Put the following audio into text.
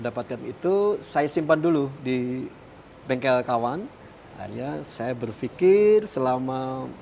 tidak ada yang bisa dikumpulkan saya simpan dulu di bengkel kawan akhirnya saya berfikir selama